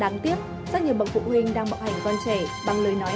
đáng tiếc rất nhiều bậc phụ huynh đang bạo hành con trẻ bằng lời nói hãy